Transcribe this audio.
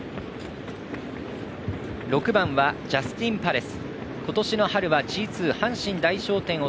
６番はジャスティンパレス。